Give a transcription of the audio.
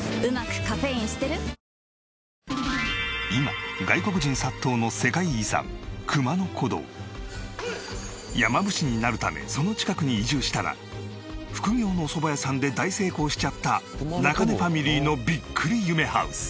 今外国人殺到の山伏になるためその近くに移住したら副業のおそば屋さんで大成功しちゃった中根ファミリーのびっくり夢ハウス。